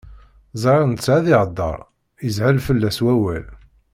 Ẓriɣ netta ad ihdeṛ, ishel fell-as wawal.